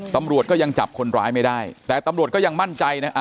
ตำรวจก็ยังจับคนร้ายไม่ได้แต่ตำรวจก็ยังมั่นใจนะ